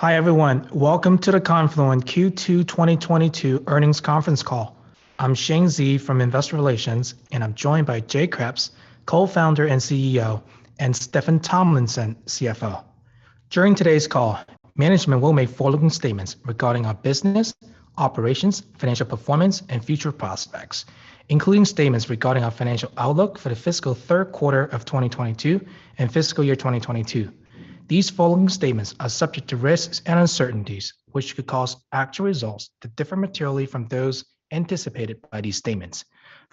Hi, everyone. Welcome to the Confluent Q2 2022 Earnings Conference Call. I'm Shane Xie from Investor Relations, and I'm joined by Jay Kreps, Co-Founder and CEO, and Steffan Tomlinson, CFO. During today's call, management will make forward-looking statements regarding our business, operations, financial performance, and future prospects, including statements regarding our financial outlook for the fiscal third quarter of 2022 and fiscal year 2022. These forward-looking statements are subject to risks and uncertainties, which could cause actual results to differ materially from those anticipated by these statements.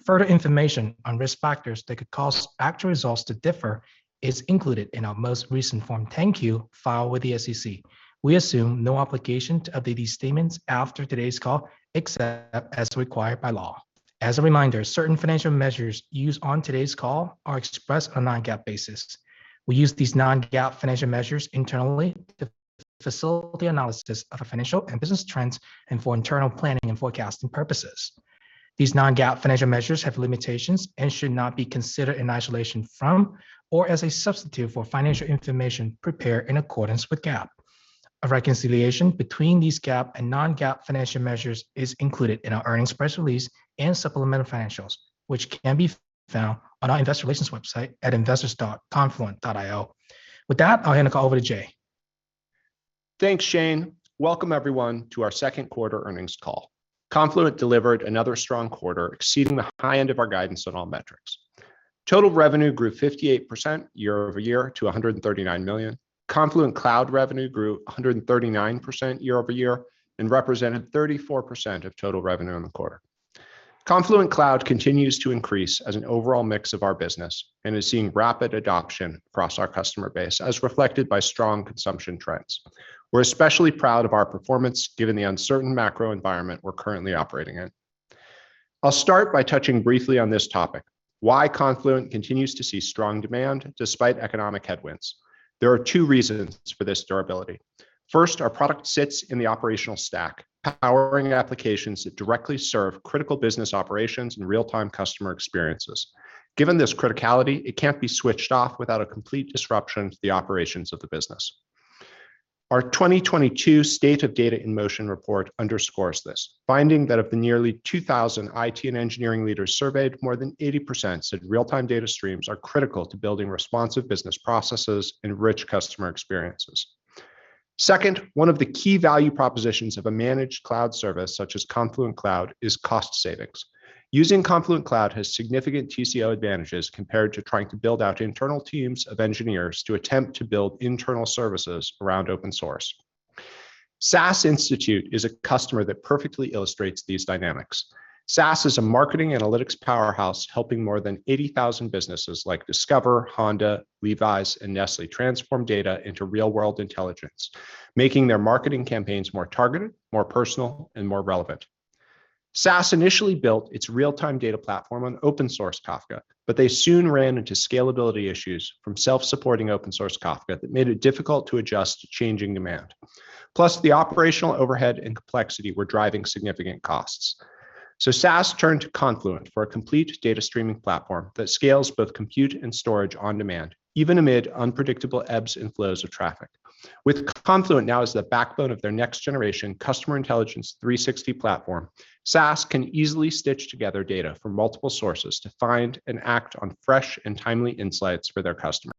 Further information on risk factors that could cause actual results to differ is included in our most recent Form 10-Q filed with the SEC. We assume no obligation to update these statements after today's call, except as required by law. As a reminder, certain financial measures used on today's call are expressed on non-GAAP basis. We use these non-GAAP financial measures internally to facilitate analysis of our financial and business trends and for internal planning and forecasting purposes. These non-GAAP financial measures have limitations and should not be considered in isolation from or as a substitute for financial information prepared in accordance with GAAP. A reconciliation between these GAAP and non-GAAP financial measures is included in our earnings press release and supplemental financials, which can be found on our investor relations website at investors.confluent.io. With that, I'll hand the call over to Jay. Thanks, Shane. Welcome, everyone, to our second quarter earnings call. Confluent delivered another strong quarter, exceeding the high end of our guidance on all metrics. Total revenue grew 58% year-over-year to $139 million. Confluent Cloud revenue grew 139% year-over-year and represented 34% of total revenue in the quarter. Confluent Cloud continues to increase as an overall mix of our business and is seeing rapid adoption across our customer base as reflected by strong consumption trends. We're especially proud of our performance given the uncertain macro environment we're currently operating in. I'll start by touching briefly on this topic, why Confluent continues to see strong demand despite economic headwinds. There are two reasons for this durability. First, our product sits in the operational stack, powering applications that directly serve critical business operations and real-time customer experiences. Given this criticality, it can't be switched off without a complete disruption to the operations of the business. Our 2022 State of Data in Motion Report underscores this, finding that of the nearly 2,000 IT and engineering leaders surveyed, more than 80% said real-time data streams are critical to building responsive business processes and rich customer experiences. Second, one of the key value propositions of a managed cloud service such as Confluent Cloud is cost savings. Using Confluent Cloud has significant TCO advantages compared to trying to build out internal teams of engineers to attempt to build internal services around open source. SAS Institute is a customer that perfectly illustrates these dynamics. SAS is a marketing analytics powerhouse helping more than 80,000 businesses like Discover, Honda, Levi's, and Nestlé transform data into real-world intelligence, making their marketing campaigns more targeted, more personal, and more relevant. SAS initially built its real-time data platform on open source Kafka, but they soon ran into scalability issues from self-supporting open source Kafka that made it difficult to adjust to changing demand. Plus, the operational overhead and complexity were driving significant costs. SAS turned to Confluent for a complete data streaming platform that scales both compute and storage on demand, even amid unpredictable ebbs and flows of traffic. With Confluent now as the backbone of their next generation Customer Intelligence 360 platform, SAS can easily stitch together data from multiple sources to find and act on fresh and timely insights for their customers.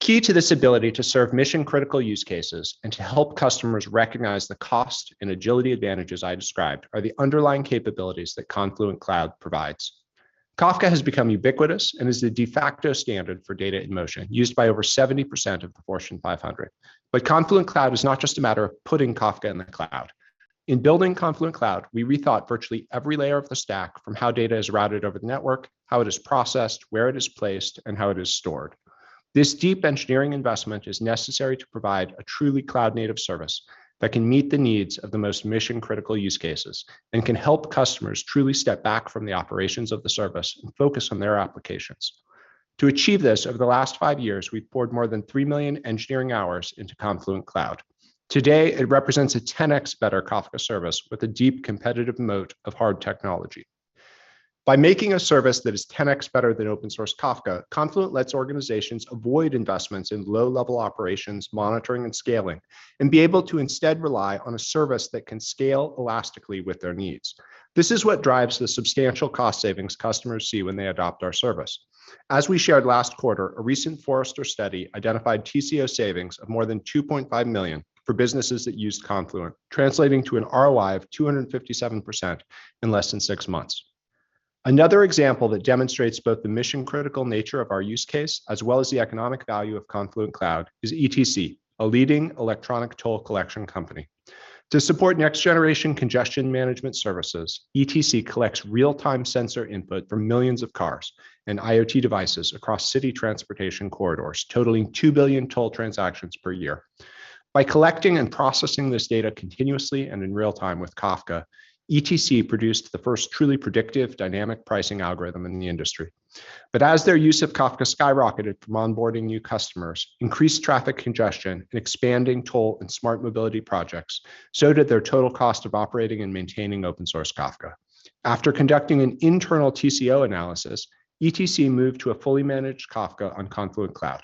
Key to this ability to serve mission-critical use cases and to help customers recognize the cost and agility advantages I described are the underlying capabilities that Confluent Cloud provides. Kafka has become ubiquitous and is the de facto standard for data in motion, used by over 70% of Fortune 500. Confluent Cloud is not just a matter of putting Kafka in the cloud. In building Confluent Cloud, we rethought virtually every layer of the stack from how data is routed over the network, how it is processed, where it is placed, and how it is stored. This deep engineering investment is necessary to provide a truly cloud-native service that can meet the needs of the most mission-critical use cases and can help customers truly step back from the operations of the service and focus on their applications. To achieve this, over the last five years, we've poured more than 3 million engineering hours into Confluent Cloud. Today, it represents a 10x better Kafka service with a deep competitive moat of hard technology. By making a service that is 10x better than open source Kafka, Confluent lets organizations avoid investments in low-level operations, monitoring, and scaling and be able to instead rely on a service that can scale elastically with their needs. This is what drives the substantial cost savings customers see when they adopt our service. As we shared last quarter, a recent Forrester study identified TCO savings of more than $2.5 million for businesses that used Confluent, translating to an ROI of 257% in less than six months. Another example that demonstrates both the mission-critical nature of our use case as well as the economic value of Confluent Cloud is ETC, a leading electronic toll collection company. To support next generation congestion management services, ETC collects real-time sensor input from millions of cars and IoT devices across city transportation corridors, totaling 2 billion toll transactions per year. By collecting and processing this data continuously and in real time with Kafka, ETC produced the first truly predictive dynamic pricing algorithm in the industry. As their use of Kafka skyrocketed from onboarding new customers, increased traffic congestion, and expanding toll and smart mobility projects, so did their total cost of operating and maintaining open-source Kafka. After conducting an internal TCO analysis, ETC moved to a fully managed Kafka on Confluent Cloud.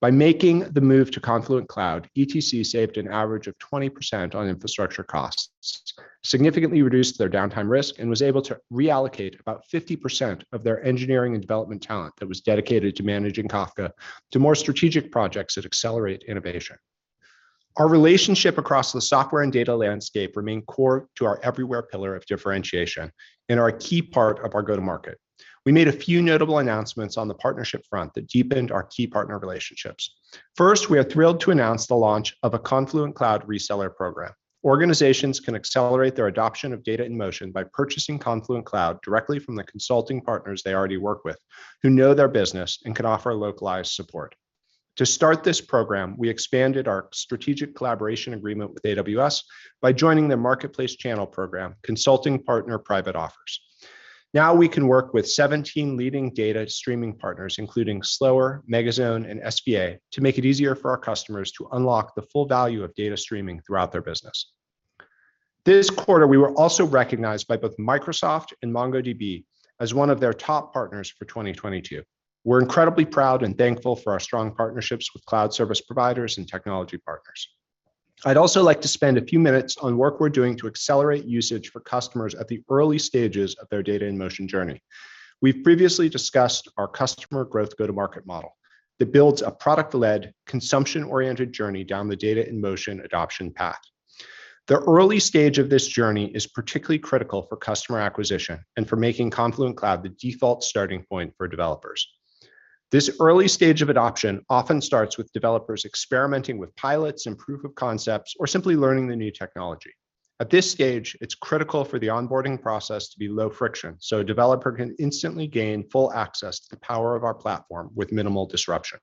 By making the move to Confluent Cloud, ETC saved an average of 20% on infrastructure costs, significantly reduced their downtime risk, and was able to reallocate about 50% of their engineering and development talent that was dedicated to managing Kafka to more strategic projects that accelerate innovation. Our relationship across the software and data landscape remain core to our everywhere pillar of differentiation and are a key part of our go-to-market. We made a few notable announcements on the partnership front that deepened our key partner relationships. First, we are thrilled to announce the launch of a Confluent Cloud reseller program. Organizations can accelerate their adoption of data in motion by purchasing Confluent Cloud directly from the consulting partners they already work with who know their business and can offer localized support. To start this program, we expanded our strategic collaboration agreement with AWS by joining their marketplace channel program, Consulting Partner Private Offers. Now we can work with 17 leading data streaming partners, including Slalom, Megazone, and SVA, to make it easier for our customers to unlock the full value of data streaming throughout their business. This quarter, we were also recognized by both Microsoft and MongoDB as one of their top partners for 2022. We're incredibly proud and thankful for our strong partnerships with cloud service providers and technology partners. I'd also like to spend a few minutes on work we're doing to accelerate usage for customers at the early stages of their data in motion journey. We've previously discussed our customer growth go-to-market model that builds a product-led, consumption-oriented journey down the data in motion adoption path. The early stage of this journey is particularly critical for customer acquisition and for making Confluent Cloud the default starting point for developers. This early stage of adoption often starts with developers experimenting with pilots and proof of concepts or simply learning the new technology. At this stage, it's critical for the onboarding process to be low friction, so a developer can instantly gain full access to the power of our platform with minimal disruption.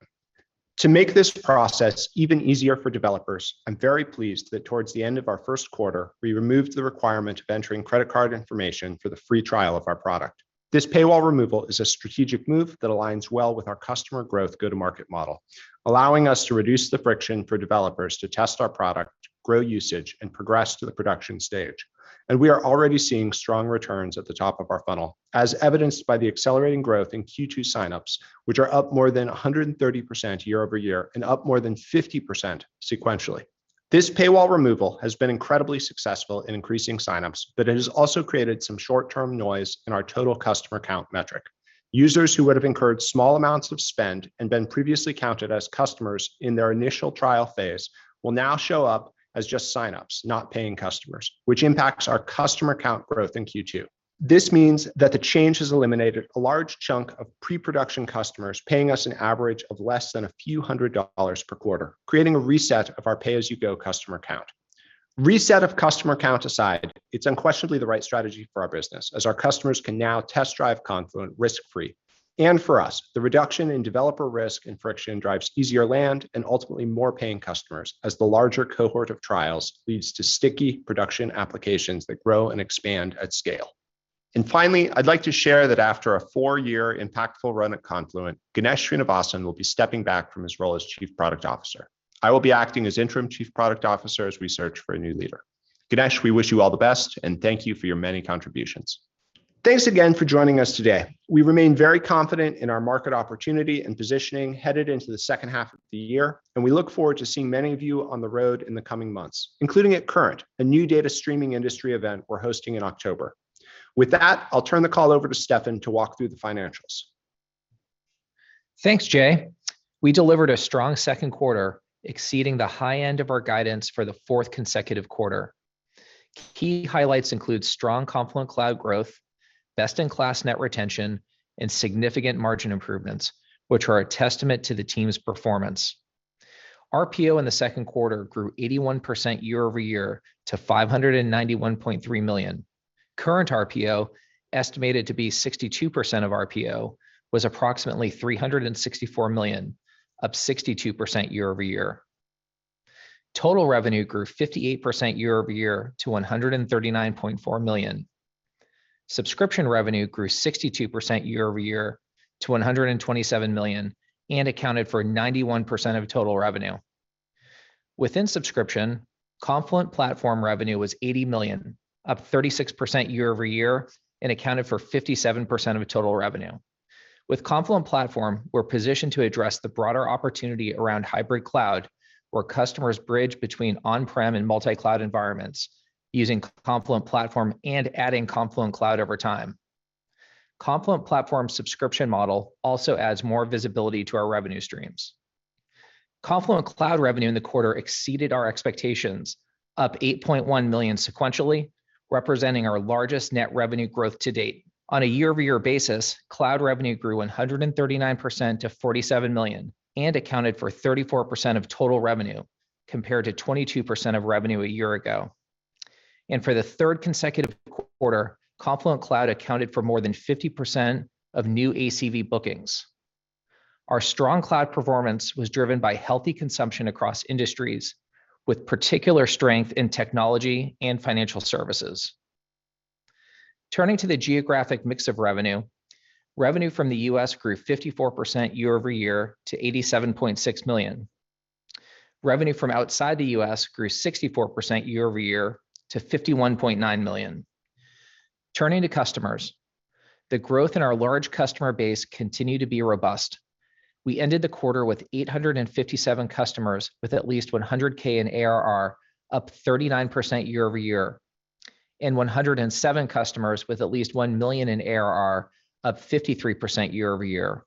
To make this process even easier for developers, I'm very pleased that towards the end of our first quarter, we removed the requirement of entering credit card information for the free trial of our product. This paywall removal is a strategic move that aligns well with our customer growth go-to-market model, allowing us to reduce the friction for developers to test our product, grow usage, and progress to the production stage. We are already seeing strong returns at the top of our funnel, as evidenced by the accelerating growth in Q2 sign-ups, which are up more than 130% year-over-year and up more than 50% sequentially. This paywall removal has been incredibly successful in increasing sign-ups, but it has also created some short-term noise in our total customer count metric. Users who would have incurred small amounts of spend and been previously counted as customers in their initial trial phase will now show up as just sign-ups, not paying customers, which impacts our customer count growth in Q2. This means that the change has eliminated a large chunk of pre-production customers paying us an average of less than a few hundred dollars per quarter, creating a reset of our Pay as you Go customer count. Reset of customer count aside, it's unquestionably the right strategy for our business, as our customers can now test-drive Confluent risk-free. For us, the reduction in developer risk and friction drives easier land and ultimately more paying customers as the larger cohort of trials leads to sticky production applications that grow and expand at scale. Finally, I'd like to share that after a four-year impactful run at Confluent, Ganesh Srinivasan will be stepping back from his role as Chief Product Officer. I will be acting as Interim Chief Product Officer as we search for a new leader. Ganesh, we wish you all the best, and thank you for your many contributions. Thanks again for joining us today. We remain very confident in our market opportunity and positioning headed into the second half of the year, and we look forward to seeing many of you on the road in the coming months, including at Current, a new data streaming industry event we're hosting in October. With that, I'll turn the call over to Steffan to walk through the financials. Thanks, Jay. We delivered a strong second quarter, exceeding the high end of our guidance for the fourth consecutive quarter. Key highlights include strong Confluent Cloud growth, best-in-class net retention, and significant margin improvements, which are a testament to the team's performance. RPO in the second quarter grew 81% year-over-year to $591.3 million. Current RPO, estimated to be 62% of RPO, was approximately $364 million, up 62% year-over-year. Total revenue grew 58% year-over-year to $139.4 million. Subscription revenue grew 62% year-over-year to $127 million and accounted for 91% of total revenue. Within subscription, Confluent Platform revenue was $80 million, up 36% year-over-year, and accounted for 57% of total revenue. With Confluent Platform, we're positioned to address the broader opportunity around hybrid cloud, where customers bridge between on-prem and multi-cloud environments using Confluent Platform and adding Confluent Cloud over time. Confluent Platform subscription model also adds more visibility to our revenue streams. Confluent Cloud revenue in the quarter exceeded our expectations, up $8.1 million sequentially, representing our largest net revenue growth to date. On a year-over-year basis, cloud revenue grew 139% to $47 million and accounted for 34% of total revenue, compared to 22% of revenue a year ago. For the third consecutive quarter, Confluent Cloud accounted for more than 50% of new ACV bookings. Our strong cloud performance was driven by healthy consumption across industries, with particular strength in technology and financial services. Turning to the geographic mix of revenue from the U.S. grew 54% year-over-year to $87.6 million. Revenue from outside the U.S. grew 64% year-over-year to $51.9 million. Turning to customers, the growth in our large customer base continued to be robust. We ended the quarter with 857 customers with at least $100K in ARR, up 39% year-over-year. One hundred and seven customers with at least $1 million in ARR, up 53% year-over-year.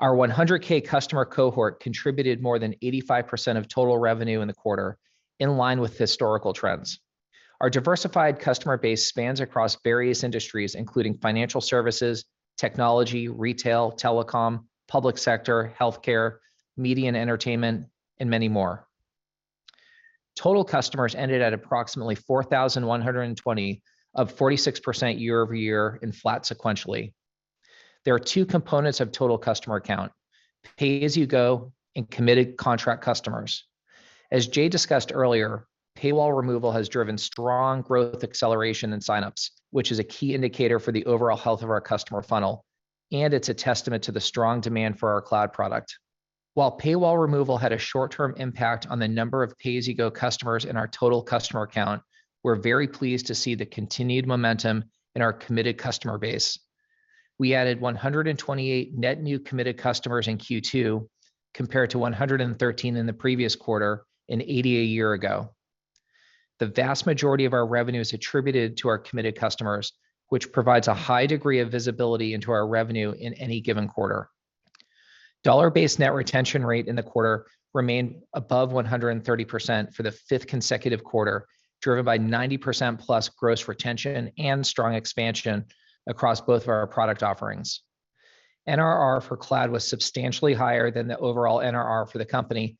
Our 100K customer cohort contributed more than 85% of total revenue in the quarter in line with historical trends. Our diversified customer base spans across various industries, including financial services, technology, retail, telecom, public sector, healthcare, media and entertainment, and many more. Total customers ended at approximately 4,120, up 46% year-over-year and flat sequentially. There are two components of total customer count, Pay as you Go and committed contract customers. As Jay discussed earlier, paywall removal has driven strong growth acceleration in signups, which is a key indicator for the overall health of our customer funnel, and it's a testament to the strong demand for our cloud product. While paywall removal had a short-term impact on the number of Pay as you Go customers in our total customer count, we're very pleased to see the continued momentum in our committed customer base. We added 128 net new committed customers in Q2 compared to 113 in the previous quarter and 80 a year ago. The vast majority of our revenue is attributed to our committed customers, which provides a high degree of visibility into our revenue in any given quarter. Dollar-based net retention rate in the quarter remained above 130% for the fifth consecutive quarter, driven by 90%+ gross retention and strong expansion across both of our product offerings. NRR for cloud was substantially higher than the overall NRR for the company,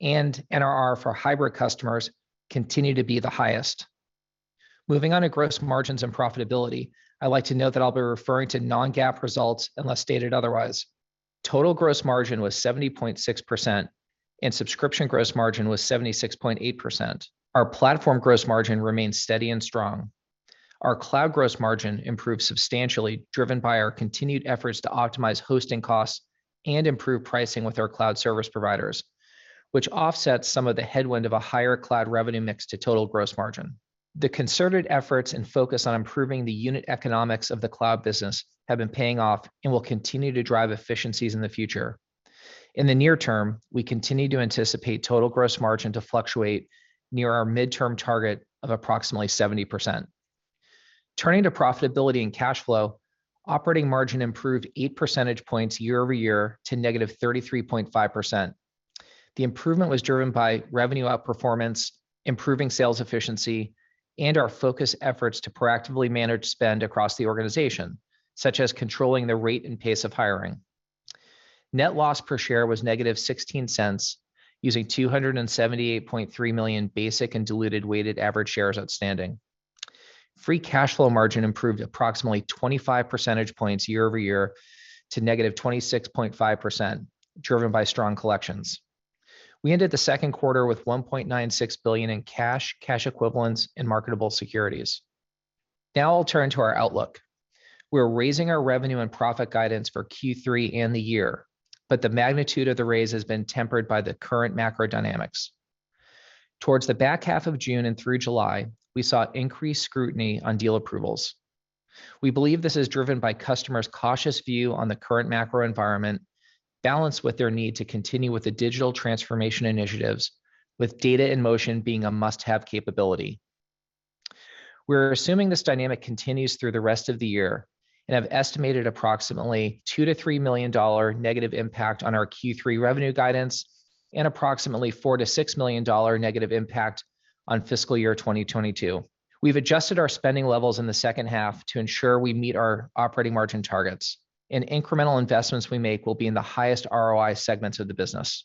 and NRR for hybrid customers continue to be the highest. Moving on to gross margins and profitability, I'd like to note that I'll be referring to non-GAAP results unless stated otherwise. Total gross margin was 70.6%, and subscription gross margin was 76.8%. Our platform gross margin remains steady and strong. Our cloud gross margin improved substantially, driven by our continued efforts to optimize hosting costs and improve pricing with our cloud service providers, which offsets some of the headwind of a higher cloud revenue mix to total gross margin. The concerted efforts and focus on improving the unit economics of the cloud business have been paying off and will continue to drive efficiencies in the future. In the near term, we continue to anticipate total gross margin to fluctuate near our midterm target of approximately 70%. Turning to profitability and cash flow, operating margin improved 8 percentage points year-over-year to -33.5%. The improvement was driven by revenue outperformance, improving sales efficiency, and our focus efforts to proactively manage spend across the organization, such as controlling the rate and pace of hiring. Net loss per share was -$0.16, using 278.3 million basic and diluted weighted average shares outstanding. Free cash flow margin improved approximately 25 percentage points year-over-year to negative 26.5%, driven by strong collections. We ended the second quarter with $1.96 billion in cash equivalents, and marketable securities. Now I'll turn to our outlook. We're raising our revenue and profit guidance for Q3 and the year, but the magnitude of the raise has been tempered by the current macro dynamics. Towards the back half of June and through July, we saw increased scrutiny on deal approvals. We believe this is driven by customers' cautious view on the current macro environment balanced with their need to continue with the digital transformation initiatives, with data in motion being a must-have capability. We're assuming this dynamic continues through the rest of the year and have estimated approximately $2 million-$3 million negative impact on our Q3 revenue guidance and approximately $4 million-$6 million negative impact on fiscal year 2022. We've adjusted our spending levels in the second half to ensure we meet our operating margin targets, and incremental investments we make will be in the highest ROI segments of the business.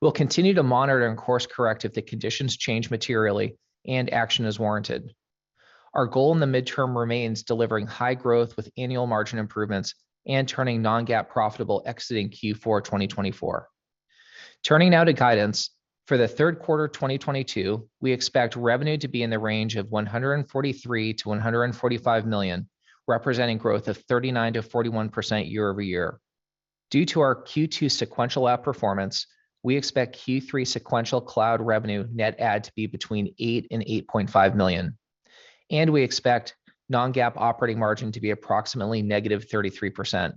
We'll continue to monitor and course correct if the conditions change materially and action is warranted. Our goal in the midterm remains delivering high growth with annual margin improvements and turning non-GAAP profitable exiting Q4 2024. Turning now to guidance, for the third quarter 2022, we expect revenue to be in the range of $143 million-$145 million, representing growth of 39%-41% year-over-year. Due to our Q2 sequential outperformance, we expect Q3 sequential cloud revenue net add to be between $8 million and $8.5 million. We expect non-GAAP operating margin to be approximately -33%.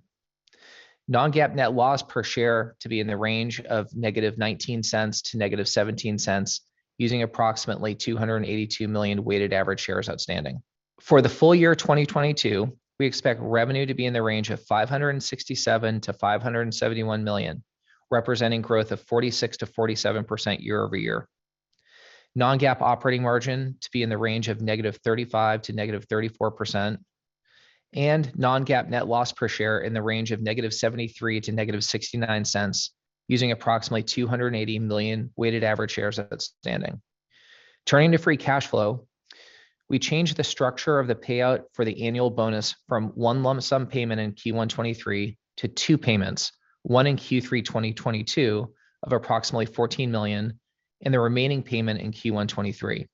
Non-GAAP net loss per share to be in the range of -$0.19 to -$0.17, using approximately 282 million weighted average shares outstanding. For the full year 2022, we expect revenue to be in the range of $567 million-$571 million, representing growth of 46%-47% year-over-year. Non-GAAP operating margin to be in the range of -35% to -34%. Non-GAAP net loss per share in the range of -$0.73 to -$0.69, using approximately 280 million weighted average shares outstanding. Turning to free cash flow, we changed the structure of the payout for the annual bonus from one lump sum payment in Q1 2023 to two payments, one in Q3 2022 of approximately $14 million and the remaining payment in Q1 2023.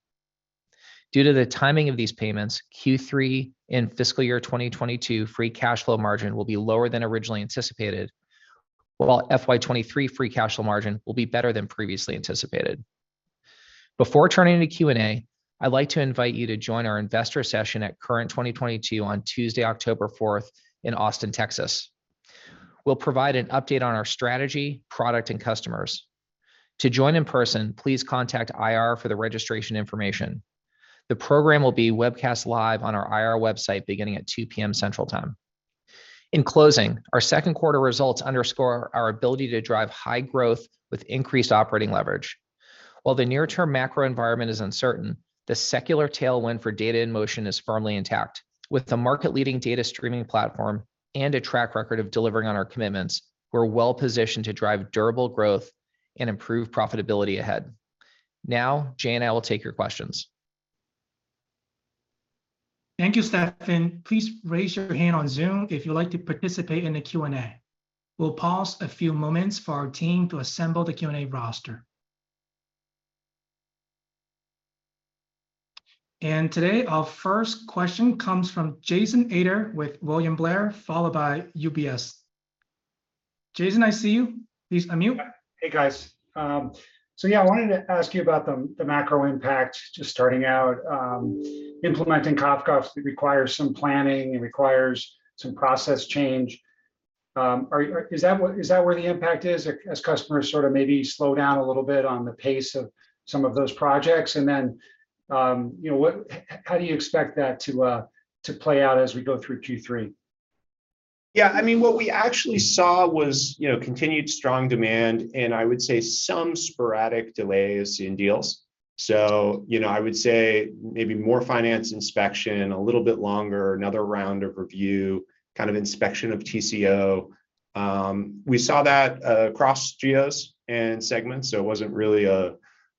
Due to the timing of these payments, Q3 in fiscal year 2022 free cash flow margin will be lower than originally anticipated, while FY2023 free cash flow margin will be better than previously anticipated. Before turning to Q&A, I'd like to invite you to join our investor session at Current 2022 on Tuesday, October fourth in Austin, Texas. We'll provide an update on our strategy, product, and customers. To join in person, please contact IR for the registration information. The program will be webcast live on our IR website beginning at 2:00 P.M. Central Time. In closing, our second quarter results underscore our ability to drive high growth with increased operating leverage. While the near-term macro environment is uncertain, the secular tailwind for data in motion is firmly intact. With the market-leading data streaming platform and a track record of delivering on our commitments, we're well-positioned to drive durable growth and improve profitability ahead. Now, Jay and I will take your questions. Thank you, Steffan. Please raise your hand on Zoom if you'd like to participate in the Q&A. We'll pause a few moments for our team to assemble the Q&A roster. Today, our first question comes from Jason Ader with William Blair, followed by UBS. Jason, I see you. Please unmute. Hey, guys. Yeah, I wanted to ask you about the macro impact just starting out. Implementing Kafka requires some planning. It requires some process change. Is that where the impact is as customers sort of maybe slow down a little bit on the pace of some of those projects? You know, how do you expect that to play out as we go through Q3? Yeah, I mean, what we actually saw was, you know, continued strong demand and I would say some sporadic delays in deals. You know, I would say maybe more finance inspection, a little bit longer, another round of review, kind of inspection of TCO. We saw that across geos and segments, so it wasn't really a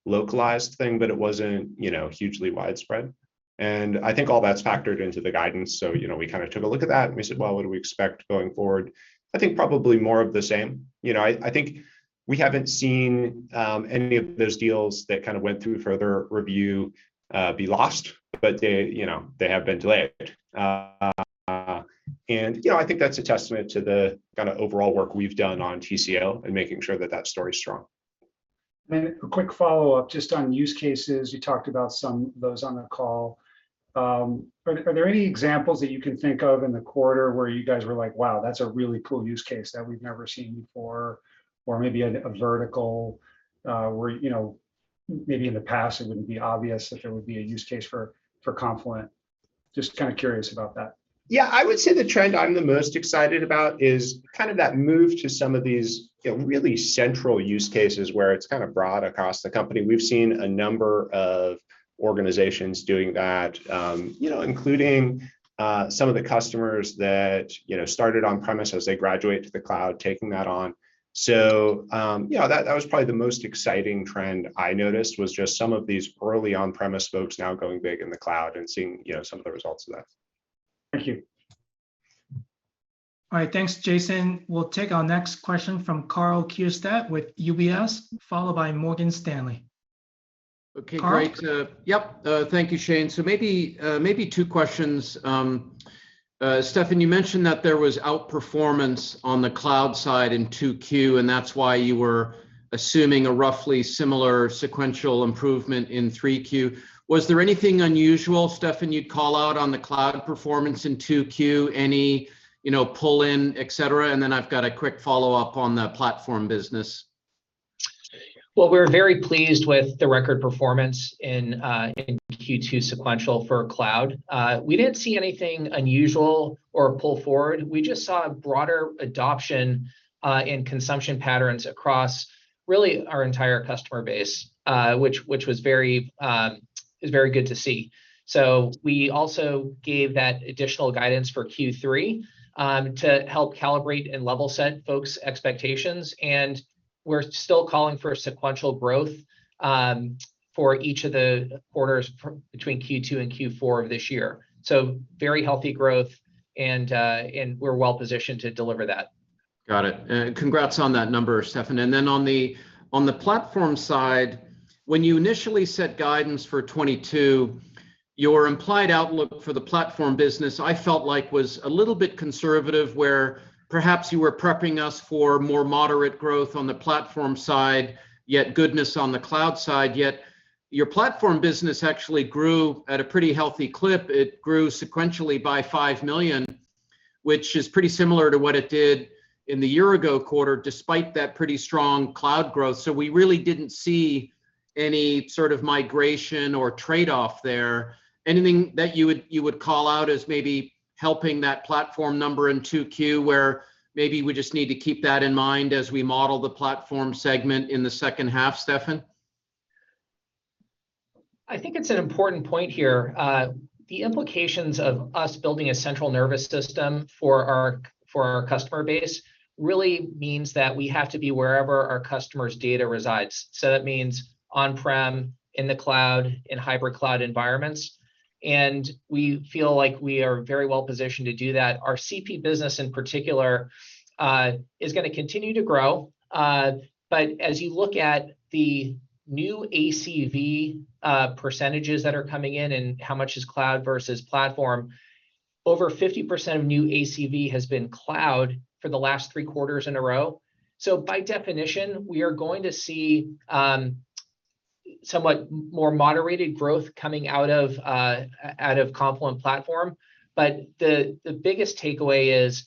localized thing, but it wasn't, you know, hugely widespread. I think all that's factored into the guidance. You know, we kind of took a look at that, and we said, "Well, what do we expect going forward?" I think probably more of the same. You know, I think we haven't seen any of those deals that kind of went through further review be lost, but they, you know, they have been delayed. You know, I think that's a testament to the kind of overall work we've done on TCO and making sure that that story's strong. A quick follow-up just on use cases. You talked about some of those on the call. Are there any examples that you can think of in the quarter where you guys were like, "Wow, that's a really cool use case that we've never seen before," or maybe a vertical, where, you know, maybe in the past it wouldn't be obvious if it would be a use case for Confluent? Just kind of curious about that. Yeah, I would say the trend I'm the most excited about is kind of that move to some of these, you know, really central use cases where it's kind of broad across the company. We've seen a number of organizations doing that, you know, including some of the customers that, you know, started on-premise as they graduate to the cloud, taking that on. So, yeah, that was probably the most exciting trend I noticed was just some of these early on-premise folks now going big in the cloud and seeing, you know, some of the results of that. Thank you. All right. Thanks, Jason. We'll take our next question from Karl Keirstead with UBS, followed by Morgan Stanley. Karl? Okay, great. Thank you, Shane. Maybe two questions. Steffan, you mentioned that there was outperformance on the cloud side in 2Q, and that's why you were assuming a roughly similar sequential improvement in 3Q. Was there anything unusual, Steffan, you'd call out on the cloud performance in 2Q? Any, you know, pull in, et cetera? And then I've got a quick follow-up on the platform business. We're very pleased with the record performance in Q2 sequential for cloud. We didn't see anything unusual or pull forward. We just saw a broader adoption in consumption patterns across really our entire customer base, which is very good to see. We also gave that additional guidance for Q3 to help calibrate and level set folks' expectations, and we're still calling for sequential growth for each of the quarters between Q2 and Q4 of this year. Very healthy growth and we're well-positioned to deliver that. Got it. Congrats on that number, Steffan. On the platform side, when you initially set guidance for 2022, your implied outlook for the platform business, I felt like was a little bit conservative, where perhaps you were prepping us for more moderate growth on the platform side, yet goodness on the cloud side, yet your platform business actually grew at a pretty healthy clip. It grew sequentially by $5 million, which is pretty similar to what it did in the year ago quarter, despite that pretty strong cloud growth. We really didn't see any sort of migration or trade-off there. Anything that you would call out as maybe helping that platform number in 2Q, where maybe we just need to keep that in mind as we model the platform segment in the second half, Steffan? I think it's an important point here. The implications of us building a central nervous system for our customer base really means that we have to be wherever our customer's data resides. That means on-prem, in the cloud, in hybrid cloud environments, and we feel like we are very well-positioned to do that. Our CP business in particular is gonna continue to grow. As you look at the new ACV percentages that are coming in and how much is cloud versus platform, over 50% of new ACV has been cloud for the last three quarters in a row. By definition, we are going to see, somewhat more moderated growth coming out of Confluent Platform, but the biggest takeaway is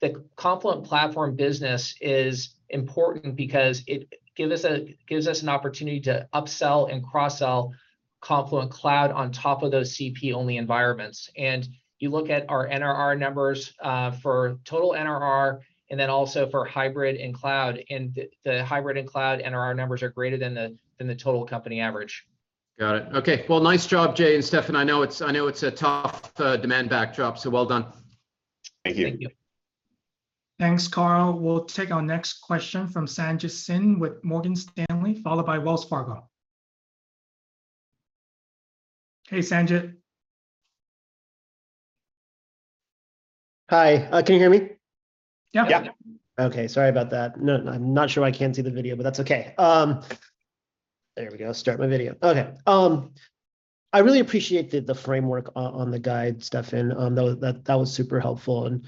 the Confluent Platform business is important because it gives us an opportunity to upsell and cross-sell Confluent Cloud on top of those CP-only environments. You look at our NRR numbers for total NRR, and then also for hybrid and cloud, and the hybrid and cloud NRR numbers are greater than the total company average. Got it. Okay. Well, nice job, Jay and Steffan. I know it's a tough demand backdrop, so well done. Thank you. Thank you. Thanks, Karl. We'll take our next question from Sanjit Singh with Morgan Stanley, followed by Wells Fargo. Hey, Sanjit. Hi. Can you hear me? Yeah. Yeah. Okay. Sorry about that. No, I'm not sure why I can't see the video, but that's okay. There we go. Start my video. Okay. I really appreciate the framework on the guide, Steffan. That was super helpful and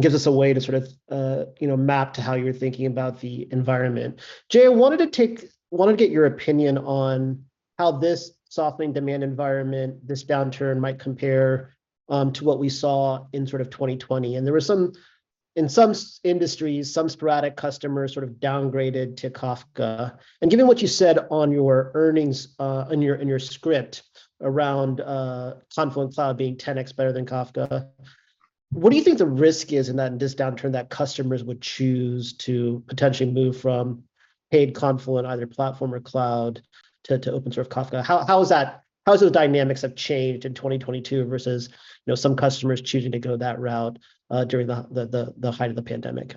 gives us a way to sort of you know map to how you're thinking about the environment. Jay, I wanted to get your opinion on how this softening demand environment, this downturn might compare to what we saw in sort of 2020. There were some, in some industries, some sporadic customers sort of downgraded to Kafka. Given what you said on your earnings in your script around Confluent Cloud being 10x better than Kafka, what do you think the risk is in that this downturn that customers would choose to potentially move from paid Confluent, either Platform or Cloud, to open source Kafka? How have those dynamics changed in 2022 versus some customers choosing to go that route during the height of the pandemic?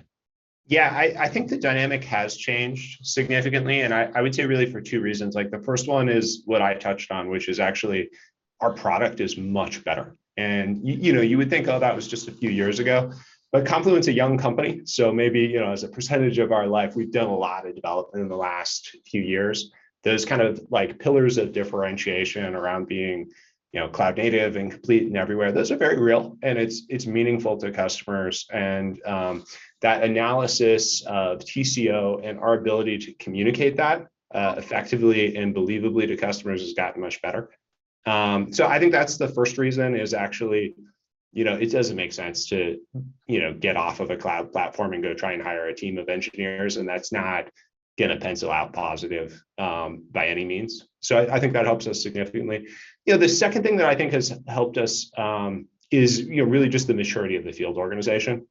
Yeah. I think the dynamic has changed significantly, and I would say really for two reasons. Like, the first one is what I touched on, which is actually our product is much better. You know, you would think, oh, that was just a few years ago, but Confluent's a young company, so maybe, you know, as a percentage of our life, we've done a lot of development in the last few years. Those kind of, like, pillars of differentiation around being, you know, cloud native and complete and everywhere, those are very real, and it's meaningful to customers. That analysis of TCO and our ability to communicate that, effectively and believably to customers has gotten much better. I think that's the first reason is actually, you know, it doesn't make sense to, you know, get off of a cloud platform and go try and hire a team of engineers, and that's not gonna pencil out positive, by any means. I think that helps us significantly. You know, the second thing that I think has helped us is, you know, really just the maturity of the field organization,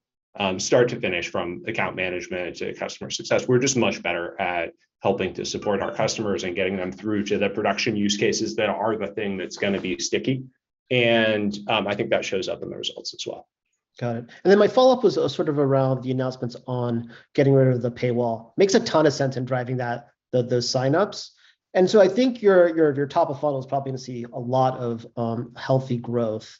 start to finish from account management to customer success. We're just much better at helping to support our customers and getting them through to the production use cases that are the thing that's gonna be sticky, and I think that shows up in the results as well. Got it. My follow-up was sort of around the announcements on getting rid of the paywall. Makes a ton of sense in driving that, the signups, and so I think your top of funnel is probably gonna see a lot of healthy growth.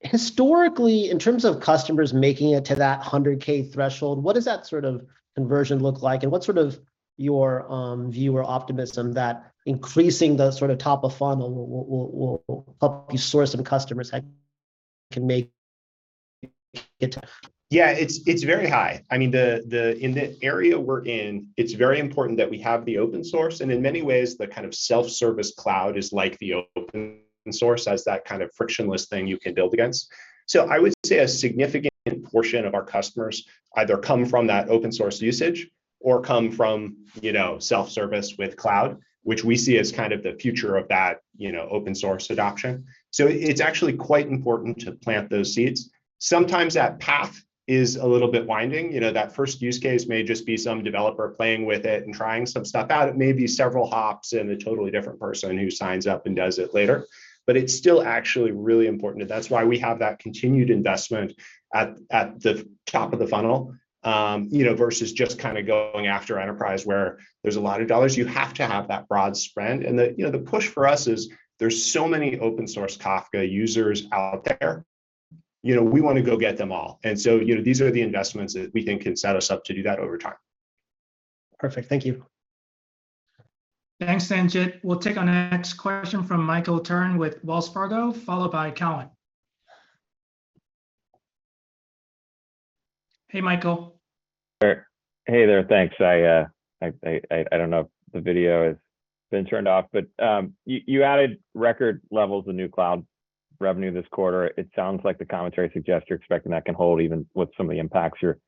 Historically, in terms of customers making it to that 100K threshold, what does that sort of conversion look like, and what's sort of your view or optimism that increasing the sort of top of funnel will help you source some customers that can make it to? Yeah, it's very high. I mean, in the area we're in, it's very important that we have the open source, and in many ways the kind of self-service cloud is like the open source as that kind of frictionless thing you can build against. I would say a significant portion of our customers either come from that open source usage or come from, you know, self-service with cloud, which we see as kind of the future of that, you know, open source adoption. It's actually quite important to plant those seeds. Sometimes that path is a little bit winding. You know, that first use case may just be some developer playing with it and trying some stuff out. It may be several hops and a totally different person who signs up and does it later. It's still actually really important, and that's why we have that continued investment at the top of the funnel, you know, versus just kind of going after enterprise where there's a lot of dollars. You have to have that broad spread. The push for us is there's so many open source Kafka users out there, you know, we wanna go get them all. You know, these are the investments that we think can set us up to do that over time. Perfect. Thank you. Thanks, Sanjit. We'll take our next question from Michael Turrin with Wells Fargo, followed by Cowen. Hey, Michael. Hey. Hey there. Thanks. I don't know if the video has been turned off, but you added record levels of new cloud revenue this quarter. It sounds like the commentary suggests you're expecting that can hold even with some of the impacts you're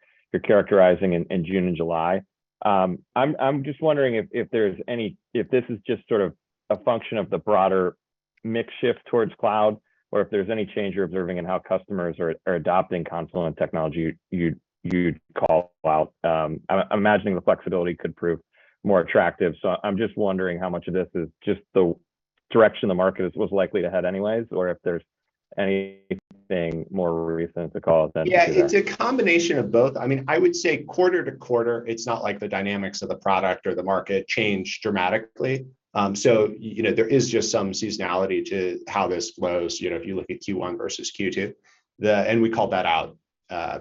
characterizing in June and July. I'm just wondering if this is just sort of a function of the broader mix shift towards cloud, or if there's any change you're observing in how customers are adopting Confluent technology you'd call out. I'm imagining the flexibility could prove more attractive. I'm just wondering how much of this is just the direction the market was likely to head anyways, or if there's anything more recent to cause that. Yeah, it's a combination of both. I mean, I would say quarter to quarter, it's not like the dynamics of the product or the market change dramatically. So, you know, there is just some seasonality to how this flows, you know, if you look at Q1 versus Q2. Then, and we called that out,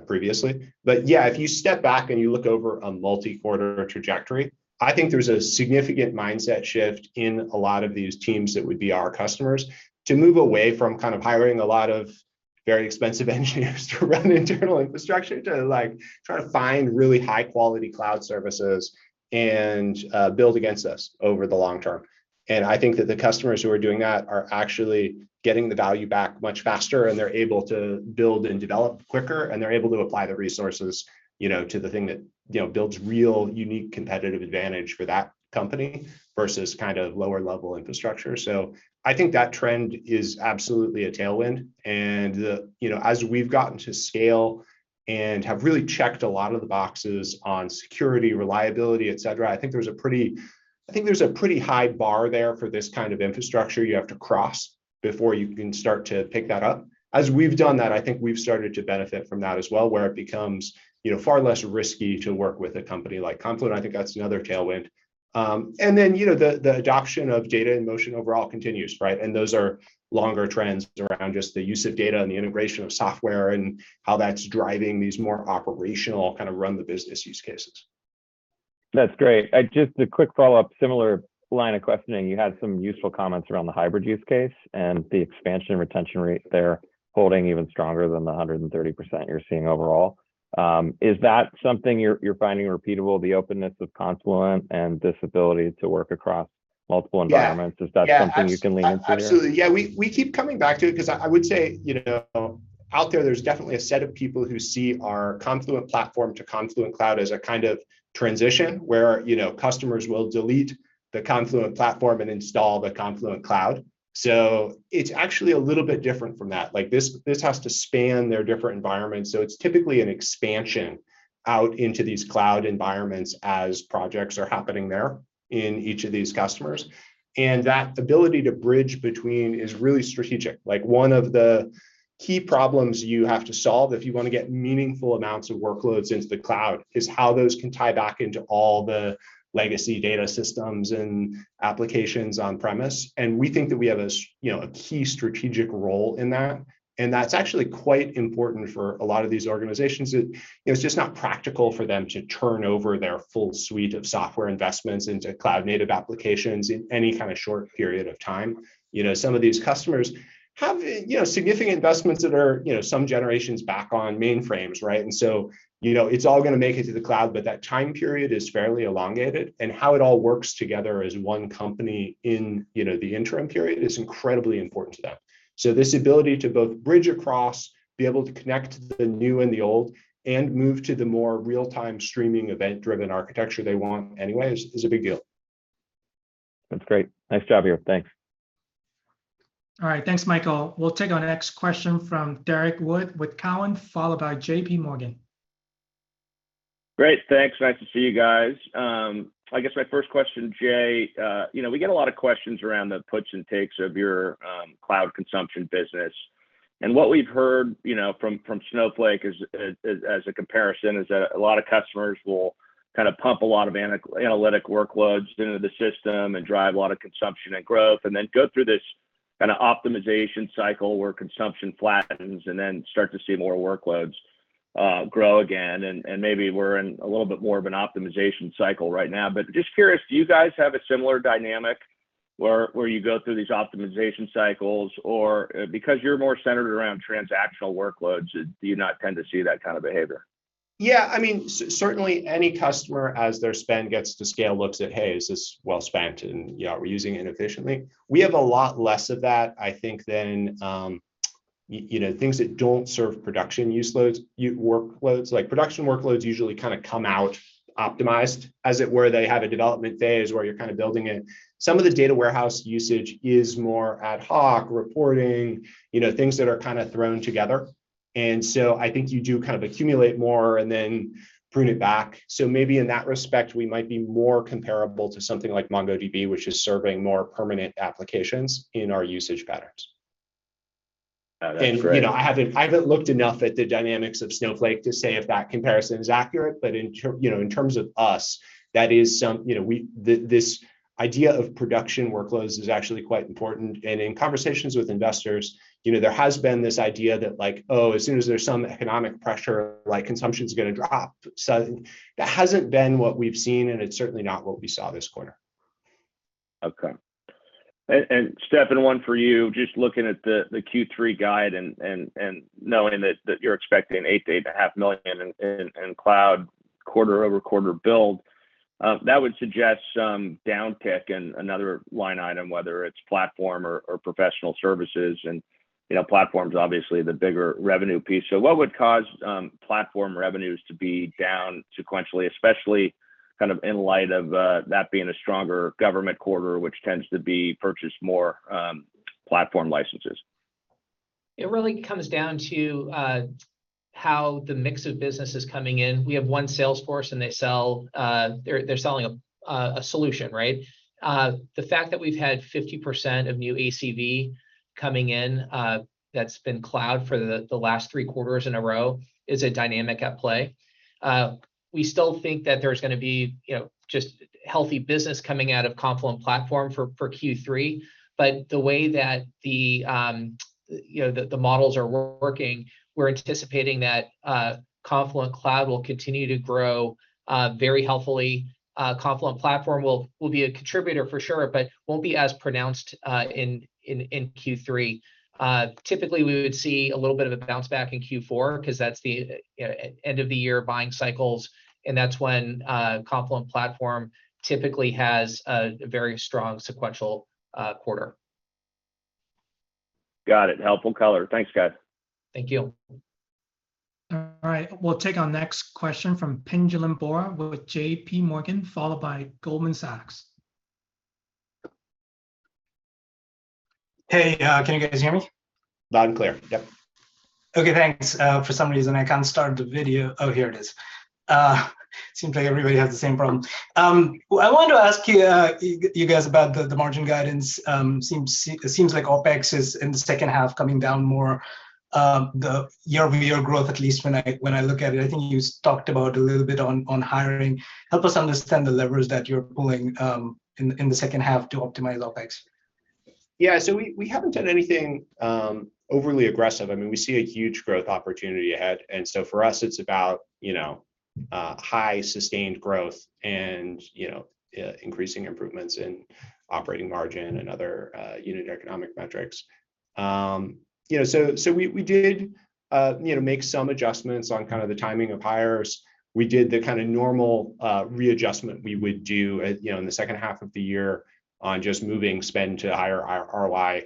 previously. Yeah, if you step back and you look over a multi-quarter trajectory, I think there's a significant mindset shift in a lot of these teams that would be our customers to move away from kind of hiring very expensive engineers to run internal infrastructure to, like, try to find really high-quality cloud services and build against us over the long term. I think that the customers who are doing that are actually getting the value back much faster, and they're able to build and develop quicker, and they're able to apply the resources, you know, to the thing that, you know, builds real unique competitive advantage for that company versus kind of lower level infrastructure. I think that trend is absolutely a tailwind. You know, as we've gotten to scale and have really checked a lot of the boxes on security, reliability, et cetera, I think there's a pretty high bar there for this kind of infrastructure you have to cross before you can start to pick that up. As we've done that, I think we've started to benefit from that as well, where it becomes, you know, far less risky to work with a company like Confluent. I think that's another tailwind. And then, you know, the adoption of data in motion overall continues, right? Those are longer trends around just the use of data and the integration of software and how that's driving these more operational kind of run the business use cases. That's great. Just a quick follow-up, similar line of questioning. You had some useful comments around the hybrid use case and the expansion retention rate there holding even stronger than the 130% you're seeing overall. Is that something you're finding repeatable, the openness of Confluent and this ability to work across multiple environments? Yeah. Is that something you can lean into there? Yeah, absolutely. Yeah, we keep coming back to it because I would say, you know, out there's definitely a set of people who see our Confluent Platform to Confluent Cloud as a kind of transition where, you know, customers will delete the Confluent Platform and install the Confluent Cloud. So it's actually a little bit different from that. Like, this has to span their different environments, so it's typically an expansion out into these cloud environments as projects are happening there in each of these customers. That ability to bridge between is really strategic. Like, one of the key problems you have to solve if you want to get meaningful amounts of workloads into the cloud is how those can tie back into all the legacy data systems and applications on-premises. We think that we have you know, a key strategic role in that, and that's actually quite important for a lot of these organizations. It's just not practical for them to turn over their full suite of software investments into cloud-native applications in any kind of short period of time. You know, some of these customers have, you know, significant investments that are, you know, some generations back on mainframes, right? You know, it's all gonna make it to the cloud, but that time period is fairly elongated. How it all works together as one company in, you know, the interim period is incredibly important to them. This ability to both bridge across, be able to connect the new and the old, and move to the more real-time streaming event-driven architecture they want anyway is a big deal. That's great. Nice job here. Thanks. All right. Thanks, Michael. We'll take our next question from Derrick Wood with Cowen, followed by JPMorgan. Great. Thanks. Nice to see you guys. I guess my first question, Jay, you know, we get a lot of questions around the puts and takes of your cloud consumption business. What we've heard, you know, from Snowflake as a comparison is that a lot of customers will kind of pump a lot of analytic workloads into the system and drive a lot of consumption and growth and then go through this kinda optimization cycle where consumption flattens and then start to see more workloads grow again, and maybe we're in a little bit more of an optimization cycle right now. Just curious, do you guys have a similar dynamic where you go through these optimization cycles? Or, because you're more centered around transactional workloads, do you not tend to see that kind of behavior? Yeah. I mean, certainly any customer, as their spend gets to scale, looks at, "Hey, is this well spent?" You know, "Are we using it efficiently?" We have a lot less of that, I think, than you know, things that don't serve production use workloads. Like, production workloads usually kinda come out optimized. As it were, they have a development phase where you're kind of building it. Some of the data warehouse usage is more ad hoc, reporting, you know, things that are kinda thrown together. I think you do kind of accumulate more and then prune it back. Maybe in that respect, we might be more comparable to something like MongoDB, which is serving more permanent applications in our usage patterns. Oh, that's great. You know, I haven't looked enough at the dynamics of Snowflake to say if that comparison is accurate. You know, in terms of us, that is, you know, this idea of production workloads is actually quite important. In conversations with investors, you know, there has been this idea that like, "Oh, as soon as there's some economic pressure, like, consumption's gonna drop." That hasn't been what we've seen, and it's certainly not what we saw this quarter. Okay. Steffan, one for you. Just looking at the Q3 guide and knowing that you're expecting $8 million-$8.5 million in cloud quarter-over-quarter build, that would suggest some downtick in another line item, whether it's platform or professional services. You know, platform's obviously the bigger revenue piece. What would cause platform revenues to be down sequentially, especially in light of that being a stronger government quarter, which tends to purchase more platform licenses? It really comes down to how the mix of business is coming in. We have one sales force, and they sell, they're selling a solution, right? The fact that we've had 50% of new ACV coming in, that's been cloud for the last three quarters in a row is a dynamic at play. We still think that there's gonna be, you know, just healthy business coming out of Confluent Platform for Q3. The way that the models are working, we're anticipating that Confluent Cloud will continue to grow very healthily. Confluent Platform will be a contributor for sure but won't be as pronounced in Q3. Typically, we would see a little bit of a bounce back in Q4 'cause that's the, you know, end of the year buying cycles, and that's when Confluent Platform typically has a very strong sequential quarter. Got it. Helpful color. Thanks, guys. Thank you. All right, we'll take our next question from Pinjalim Bora with JPMorgan, followed by Goldman Sachs. Hey, can you guys hear me? Loud and clear. Yep. Okay, thanks. For some reason I can't start the video. Oh, here it is. Seems like everybody has the same problem. I wanted to ask you guys about the margin guidance. Seems like OpEx is in the second half coming down more, the year-over-year growth, at least when I look at it. I think you talked about a little bit on hiring. Help us understand the levers that you're pulling, in the second half to optimize OpEx. Yeah. We haven't done anything overly aggressive. I mean, we see a huge growth opportunity ahead. For us, it's about you know high sustained growth and you know increasing improvements in operating margin and other unit economic metrics. We did you know make some adjustments on kind of the timing of hires. We did the kind of normal readjustment we would do you know in the second half of the year on just moving spend to higher ROI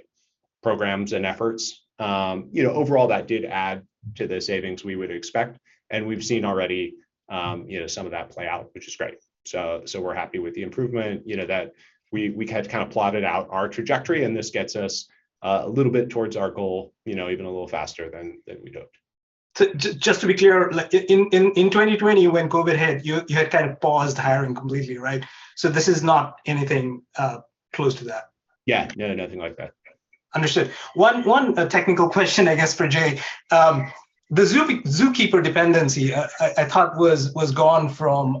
programs and efforts. Overall that did add to the savings we would expect, and we've seen already you know some of that play out, which is great. We're happy with the improvement, you know, that we had kind of plotted out our trajectory, and this gets us a little bit towards our goal, you know, even a little faster than we'd hoped. Just to be clear, like in 2020 when COVID hit, you had kind of paused hiring completely, right? This is not anything close to that. Yeah. No, nothing like that. Yeah Understood. One technical question, I guess, for Jay. The ZooKeeper dependency, I thought was gone from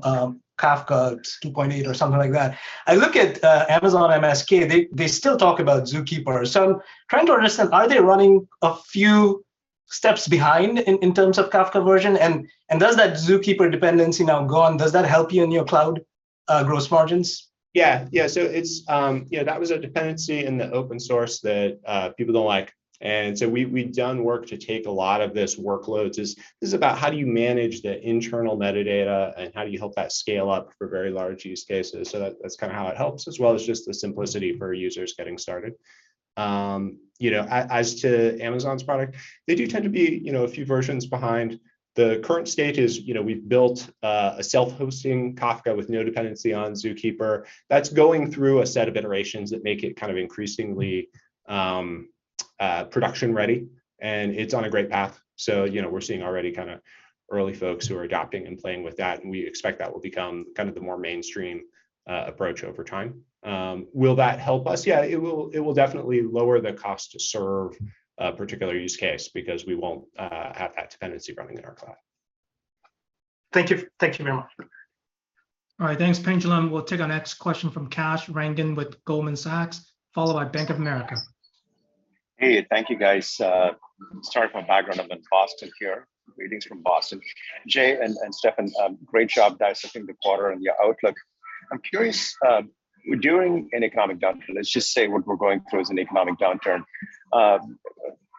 Kafka 2.8 or something like that. I look at Amazon MSK, they still talk about ZooKeeper. I'm trying to understand, are they running a few steps behind in terms of Kafka version? Is that ZooKeeper dependency now gone? Does that help you in your cloud gross margins? That was a dependency in the open source that people don't like. We've done work to take a lot of this workloads. This is about how do you manage the internal metadata and how do you help that scale up for very large use cases. That's kinda how it helps, as well as just the simplicity for users getting started. You know, as to Amazon's product, they do tend to be, you know, a few versions behind. The current state is, you know, we've built a self-hosting Kafka with no dependency on ZooKeeper. That's going through a set of iterations that make it kind of increasingly production ready, and it's on a great path. You know, we're seeing already kinda early folks who are adopting and playing with that, and we expect that will become kind of the more mainstream approach over time. Will that help us? Yeah, it will definitely lower the cost to serve a particular use case because we won't have that dependency running in our cloud. Thank you. Thank you very much All right. Thanks, Pinjalim. We'll take our next question from Kash Rangan with Goldman Sachs, followed by Bank of America. Hey, thank you, guys. Sorry for my background. I'm in Boston here. Greetings from Boston. Jay and Steffan, great job dissecting the quarter and your outlook. I'm curious, during an economic downturn, let's just say what we're going through is an economic downturn,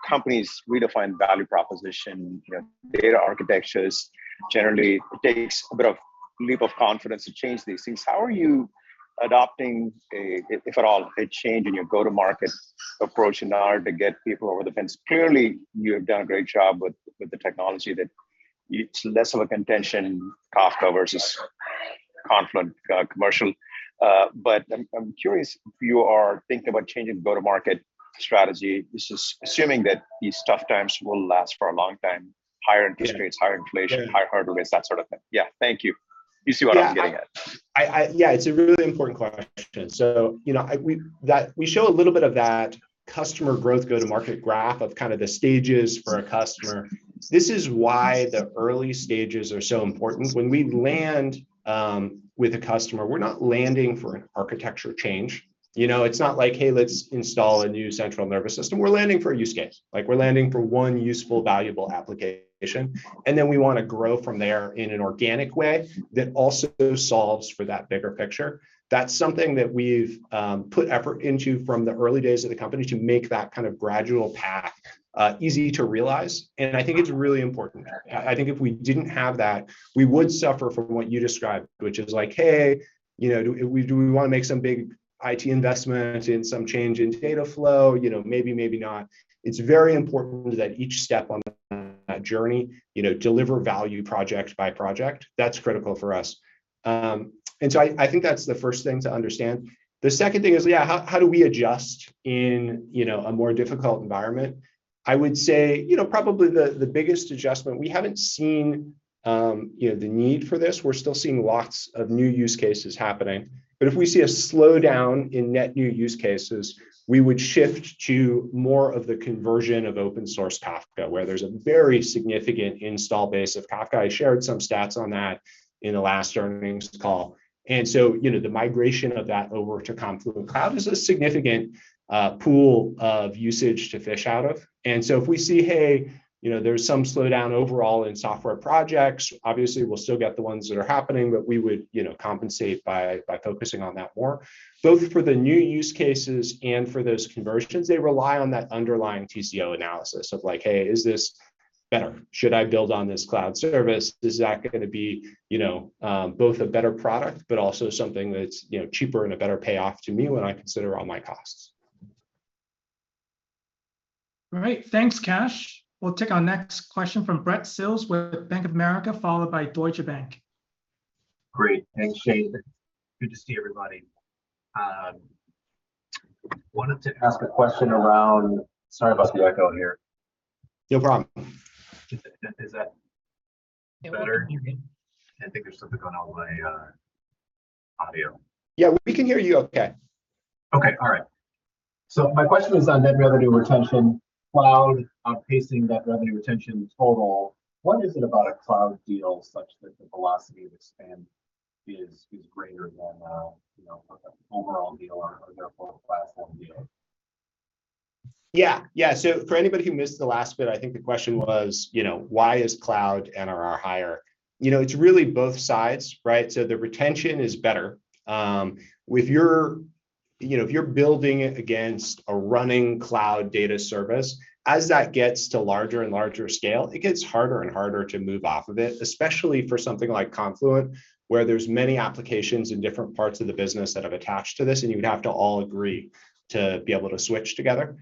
companies redefine value proposition, you know, data architectures. Generally, it takes a bit of leap of confidence to change these things. How are you adopting a, if at all, a change in your go-to-market approach in order to get people over the fence? Clearly, you have done a great job with the technology that it's less of a contention Kafka versus Confluent, commercial. But I'm curious if you are thinking about changing go-to-market strategy. This is assuming that these tough times will last for a long time, higher interest rates. Yeah Higher inflation. Yeah High hardware rates, that sort of thing. Yeah. Thank you. You see what I'm getting at Yeah, it's a really important question. You know, we show a little bit of that customer growth go to market graph of kind of the stages for a customer. This is why the early stages are so important. When we land with a customer, we're not landing for an architecture change. You know, it's not like, "Hey, let's install a new central nervous system." We're landing for a use case. Like, we're landing for one useful, valuable application, and then we wanna grow from there in an organic way that also solves for that bigger picture. That's something that we've put effort into from the early days of the company to make that kind of gradual path easy to realize, and I think it's really important. I think if we didn't have that, we would suffer from what you described, which is like, "Hey, you know, do we wanna make some big IT investment and some change in data flow? You know, maybe not." It's very important that each step on that journey, you know, deliver value project by project. That's critical for us. I think that's the first thing to understand. The second thing is, yeah, how do we adjust in, you know, a more difficult environment? I would say, you know, probably the biggest adjustment, we haven't seen, you know, the need for this. We're still seeing lots of new use cases happening. If we see a slowdown in net new use cases, we would shift to more of the conversion of open source Kafka, where there's a very significant install base of Kafka. I shared some stats on that in the last earnings call. You know, the migration of that over to Confluent Cloud is a significant pool of usage to fish out of. If we see, hey, you know, there's some slowdown overall in software projects, obviously we'll still get the ones that are happening, but we would, you know, compensate by focusing on that more. Both for the new use cases and for those conversions, they rely on that underlying TCO analysis of like, hey, is this better? Should I build on this cloud service? Is that gonna be, you know, both a better product but also something that's, you know, cheaper and a better payoff to me when I consider all my costs? All right. Thanks, Kash. We'll take our next question from Brad Sills with Bank of America, followed by Deutsche Bank. Great. Thanks, Shane. Good to see everybody. Wanted to ask a question around. Sorry about the echo here. No problem. Is that better? Yeah, we can hear you. I think there's something going on with my audio. Yeah, we can hear you okay. Okay. All right. My question is on net revenue retention, cloud outpacing that revenue retention total. What is it about a cloud deal such that the velocity of expansion is greater than, you know, for the overall deal or therefore platform deal? Yeah. For anybody who missed the last bit, I think the question was, you know, why is cloud NRR higher? You know, it's really both sides, right? The retention is better. You know, if you're building against a running cloud data service, as that gets to larger and larger scale, it gets harder and harder to move off of it, especially for something like Confluent, where there's many applications in different parts of the business that have attached to this, and you'd have to all agree to be able to switch together.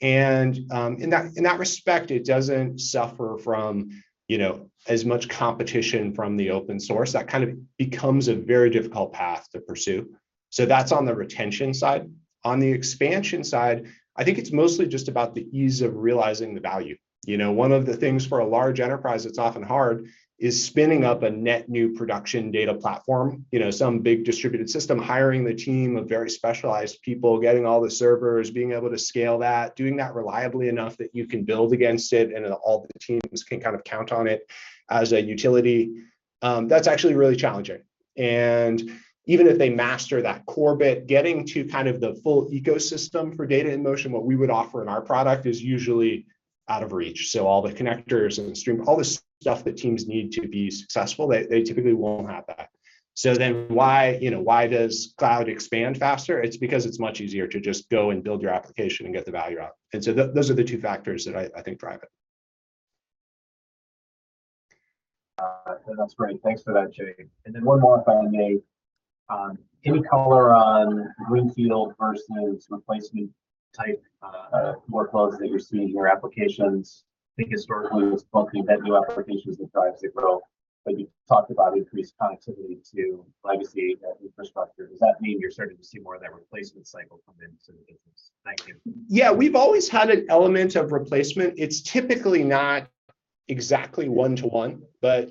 In that respect, it doesn't suffer from, you know, as much competition from the open source. That kind of becomes a very difficult path to pursue. That's on the retention side. On the expansion side, I think it's mostly just about the ease of realizing the value. You know, one of the things for a large enterprise that's often hard is spinning up a net new production data platform. You know, some big distributed system, hiring the team of very specialized people, getting all the servers, being able to scale that, doing that reliably enough that you can build against it, and then all the teams can kind of count on it as a utility. That's actually really challenging. Even if they master that core bit, getting to kind of the full ecosystem for data in motion, what we would offer in our product is usually out of reach. All the connectors and the stream, all the stuff that teams need to be successful, they typically won't have that. Why, you know, why does cloud expand faster? It's because it's much easier to just go and build your application and get the value out. Those are the two factors that I think drive it. That's great. Thanks for that, Jay. Then one more if I may. Any color on greenfield versus replacement type workloads that you're seeing or applications? I think historically it was building net new applications that drives the growth, but you talked about increased connectivity to legacy infrastructure. Does that mean you're starting to see more of that replacement cycle come into the business? Thank you. Yeah. We've always had an element of replacement. It's typically not exactly one-to-one.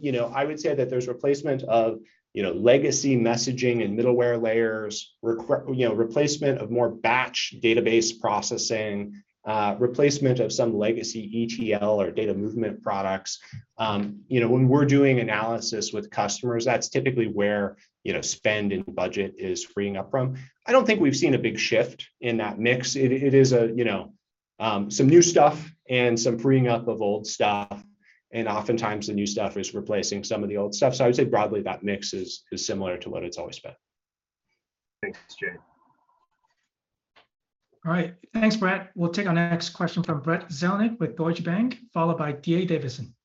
You know, I would say that there's replacement of, you know, legacy messaging and middleware layers, replacement of more batch database processing. Replacement of some legacy ETL or data movement products. You know, when we're doing analysis with customers, that's typically where, you know, spend and budget is freeing up from. I don't think we've seen a big shift in that mix. It is, you know, some new stuff and some freeing up of old stuff, and oftentimes the new stuff is replacing some of the old stuff. I would say broadly that mix is similar to what it's always been. Thanks, Jay. All right. Thanks, Brad. We'll take our next question from Brad Zelnick with Deutsche Bank, followed by D.A. Davidson.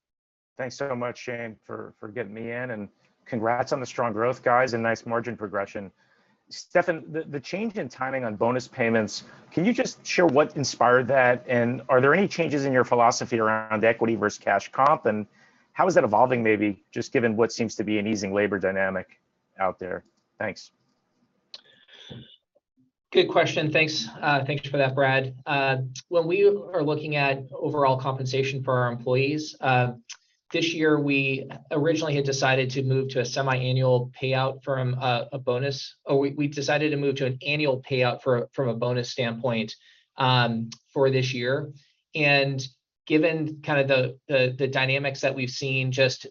Thanks so much, Shane, for getting me in. Congrats on the strong growth, guys, and nice margin progression. Steffan, the change in timing on bonus payments, can you just share what inspired that? Are there any changes in your philosophy around equity versus cash comp? How is that evolving maybe just given what seems to be an easing labor dynamic out there? Thanks. Good question. Thanks. Thank you for that, Brad. When we are looking at overall compensation for our employees, this year we originally had decided to move to an annual payout from a bonus standpoint for this year. Given the dynamics that we've seen just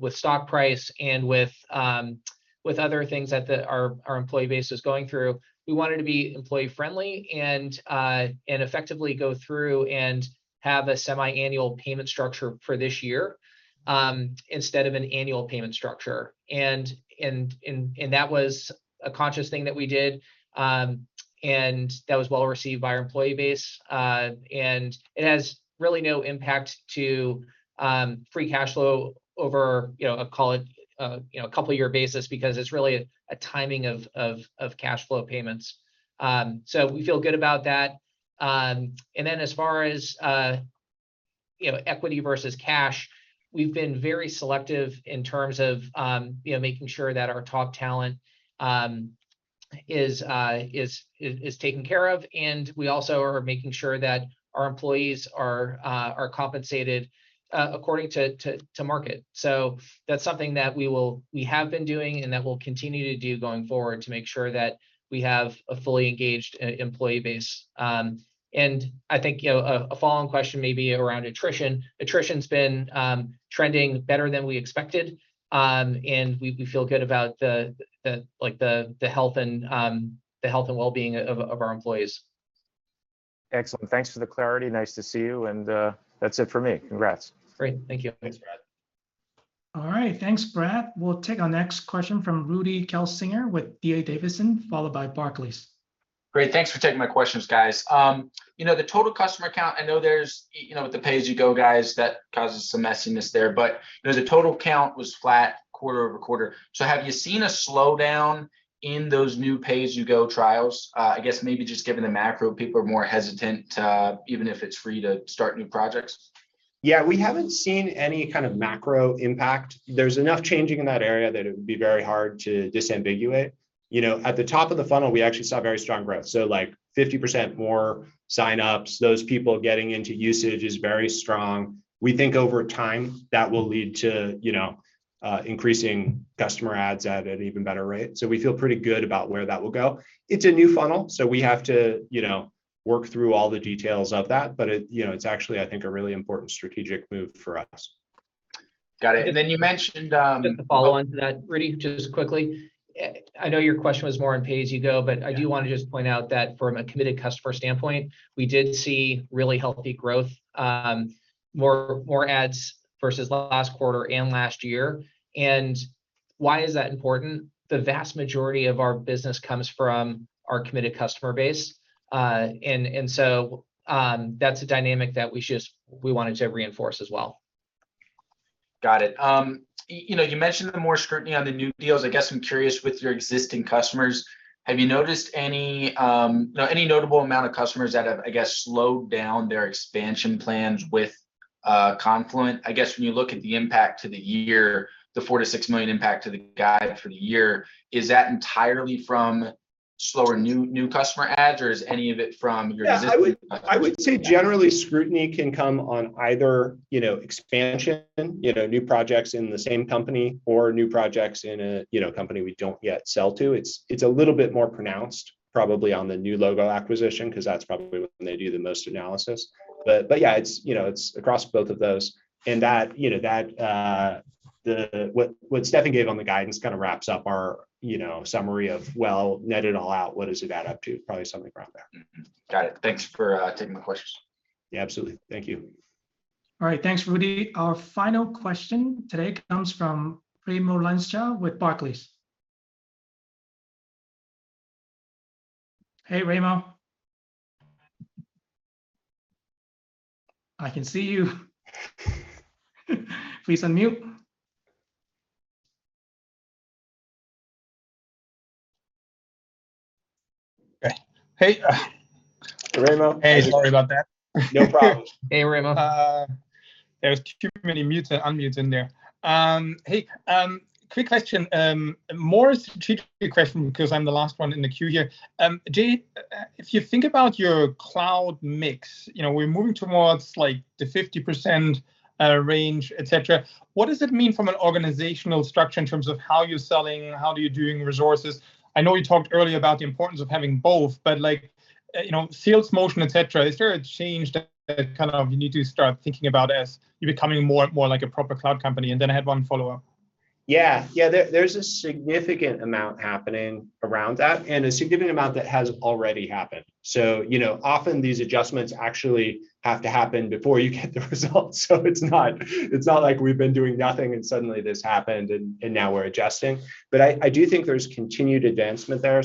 with stock price and with other things that our employee base is going through, we wanted to be employee friendly and effectively go through and have a semi-annual payment structure for this year instead of an annual payment structure. That was a conscious thing that we did, and that was well received by our employee base. It has really no impact to free cash flow over, you know, a couple year basis because it's really a timing of cash flow payments. We feel good about that. As far as, you know, equity versus cash, we've been very selective in terms of, you know, making sure that our top talent is taken care of. We also are making sure that our employees are compensated according to market. That's something that we have been doing and that we'll continue to do going forward to make sure that we have a fully engaged employee base. I think, you know, a follow on question may be around attrition. Attrition's been trending better than we expected, and we feel good about, like, the health and wellbeing of our employees. Excellent. Thanks for the clarity. Nice to see you. That's it for me. Congrats. Great. Thank you. Thanks, Brad. All right. Thanks, Brad. We'll take our next question from Rudy Kessinger with D.A. Davidson, followed by Barclays. Great. Thanks for taking my questions, guys. You know, the total customer count, I know there's you know, with the Pay as you Go, guys, that causes some messiness there. You know, the total count was flat quarter-over-quarter. Have you seen a slowdown in those new Pay as you Go trials? I guess maybe just given the macro, people are more hesitant to, even if it's free to start new projects. Yeah, we haven't seen any kind of macro impact. There's enough changing in that area that it would be very hard to disambiguate. You know, at the top of the funnel, we actually saw very strong growth, so like 50% more signups. Those people getting into usage is very strong. We think over time, that will lead to, you know, increasing customer adds at an even better rate. So we feel pretty good about where that will go. It's a new funnel, so we have to, you know, work through all the details of that, but it, you know, it's actually, I think, a really important strategic move for us. Got it. You mentioned. To follow up on that, Rudy, just quickly. I know your question was more on Pay as you Go, but- Yeah I do wanna just point out that from a committed customer standpoint, we did see really healthy growth, more adds versus last quarter and last year. Why is that important? The vast majority of our business comes from our committed customer base, and so that's a dynamic that we just, we wanted to reinforce as well. Got it. You know, you mentioned the more scrutiny on the new deals. I guess I'm curious with your existing customers, have you noticed any, you know, any notable amount of customers that have, I guess, slowed down their expansion plans with Confluent? I guess when you look at the impact to the year, the $4 million-$6 million impact to the guide for the year, is that entirely from slower new customer adds, or is any of it from your existing- Yeah, I would say generally scrutiny can come on either, you know, expansion, you know, new projects in the same company, or new projects in a, you know, company we don't yet sell to. It's a little bit more pronounced probably on the new logo acquisition, 'cause that's probably when they do the most analysis. But yeah, it's, you know, across both of those. In that, you know, what Steffan gave on the guidance kind of wraps up our, you know, summary of, well, net it all out, what does it add up to? Probably something around there. Got it. Thanks for taking the questions. Yeah, absolutely. Thank you. All right. Thanks, Rudy. Our final question today comes from Raimo Lenschow with Barclays. Hey, Raimo. I can see you. Please unmute. Hey. Raimo. Hey, sorry about that. No problem. Hey, Raimo. There was too many mute and unmutes in there. Hey, quick question. A more strategic question because I'm the last one in the queue here. Jay, if you think about your cloud mix, you know, we're moving towards like the 50% range, et cetera. What does it mean from an organizational structure in terms of how you're selling? How are you doing resources? I know you talked earlier about the importance of having both, but like, you know, sales motion, et cetera, is there a change that kind of you need to start thinking about as you're becoming more like a proper cloud company? I had one follow-up. Yeah, there's a significant amount happening around that and a significant amount that has already happened. You know, often these adjustments actually have to happen before you get the results. It's not like we've been doing nothing and suddenly this happened and now we're adjusting. I do think there's continued advancement there.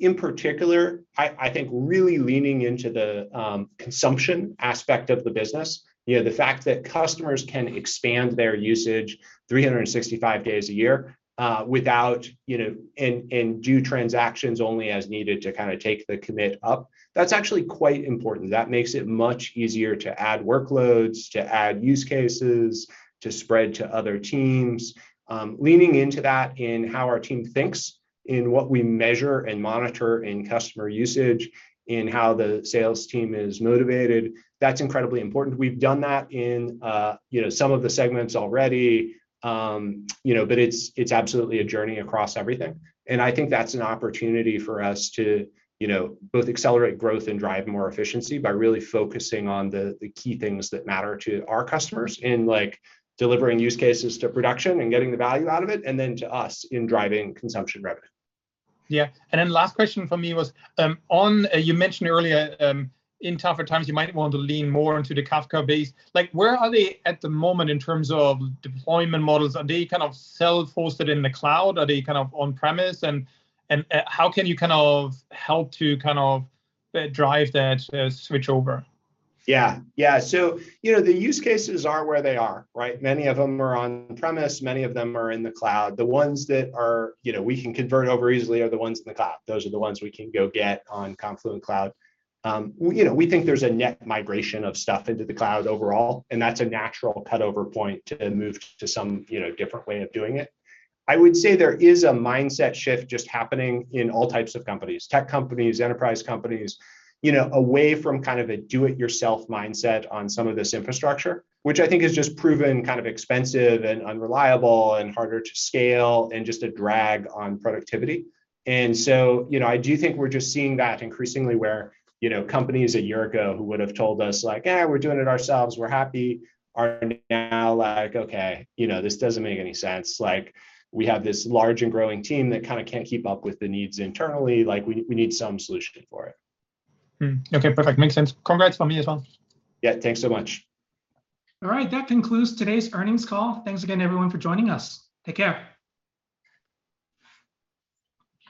In particular, I think really leaning into the consumption aspect of the business, you know, the fact that customers can expand their usage 365 days a year, without, you know, and do transactions only as needed to kinda take the commit up, that's actually quite important. That makes it much easier to add workloads, to add use cases, to spread to other teams. Leaning into that in how our team thinks, in what we measure and monitor in customer usage, in how the sales team is motivated, that's incredibly important. We've done that in, you know, some of the segments already. You know, it's absolutely a journey across everything. I think that's an opportunity for us to, you know, both accelerate growth and drive more efficiency by really focusing on the key things that matter to our customers in like delivering use cases to production and getting the value out of it, and then to us in driving consumption revenue. Yeah. Then last question from me was, you mentioned earlier, in tougher times you might want to lean more into the Kafka base. Like, where are they at the moment in terms of deployment models? Are they kind of self-hosted in the cloud? Are they kind of on-premises? And how can you kind of help to kind of drive that switchover? Yeah. Yeah, so, you know, the use cases are where they are, right? Many of them are on-premises, many of them are in the cloud. The ones that are, you know, we can convert over easily are the ones in the cloud. Those are the ones we can go get on Confluent Cloud. You know, we think there's a net migration of stuff into the cloud overall, and that's a natural cutover point to then move to some, you know, different way of doing it. I would say there is a mindset shift just happening in all types of companies, tech companies, enterprise companies, you know, away from kind of a do it yourself mindset on some of this infrastructure, which I think has just proven kind of expensive and unreliable and harder to scale and just a drag on productivity. You know, I do think we're just seeing that increasingly where, you know, companies a year ago who would have told us like, "Eh, we're doing it ourselves. We're happy," are now like, "Okay, you know, this doesn't make any sense. Like, we have this large and growing team that kinda can't keep up with the needs internally. Like, we need some solution for it. Okay, perfect. Makes sense. Congrats from me as well. Yeah. Thanks so much. All right. That concludes today's earnings call. Thanks again, everyone, for joining us. Take care.